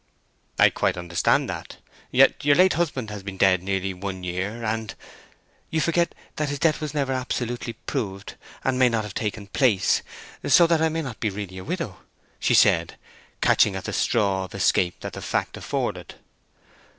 "I quite understand that. Yet your late husband has been dead nearly one year, and—" "You forget that his death was never absolutely proved, and may not have taken place; so that I may not be really a widow," she said, catching at the straw of escape that the fact afforded.